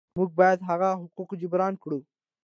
موږ باید هغه حقوق جبران کړو.